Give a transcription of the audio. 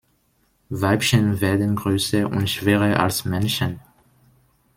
Weibchen werden größer und schwerer als Männchen.